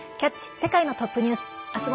世界のトップニュース」。